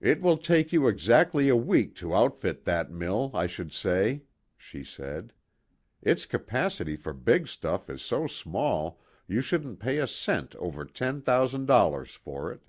"It will take you exactly a week to outfit that mill, I should say," she said. "Its capacity for big stuff is so small you shouldn't pay a cent over ten thousand dollars for it."